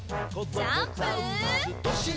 ジャンプ！